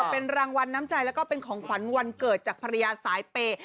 เป็นรางวัลน้ำใจแล้วก็เป็นของขวัญวันเกิดจากภรรยาสายเปย์